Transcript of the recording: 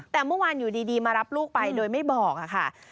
แต่เมื่อวานอยู่ดีมารับลูกไปโดยไม่บอกค่ะ